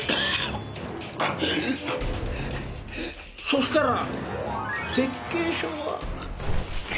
そしたら設計書は。